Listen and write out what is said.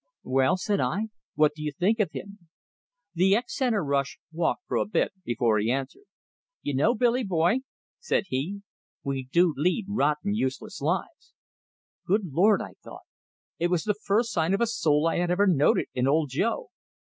"Well?" said I. "What do you think of him?" The ex centre rush walked for a bit before he answered. "You know, Billy boy," said he, "we do lead rotten useless lives." "Good Lord!" I thought; it was the first sign of a soul I had ever noted in Old Joe!